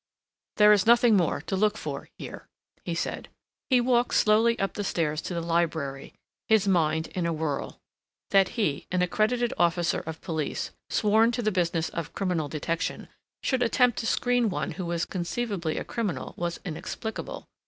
"There is nothing more to look for here," he said. He walked slowly up the stairs to the library, his mind in a whirl. That he, an accredited officer of police, sworn to the business of criminal detection, should attempt to screen one who was conceivably a criminal was inexplicable.